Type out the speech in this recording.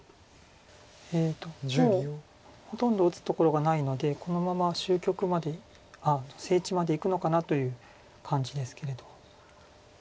もうほとんど打つところがないのでこのまま終局まで整地までいくのかなという感じですけれど。